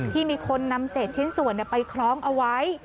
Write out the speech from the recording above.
ที่มีคนนำเศษชิ้นส่วนไปคล้องเอาไว้